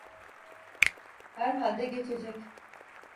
Herhalde geçecek…